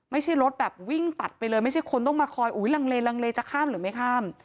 ไม่ใช่รถแบบวิ่งตัดไปเลยไม่ใช่คนต้องมาคอยอุ๊ยลังเลลังเลจะข้ามหรือไม่ข้าม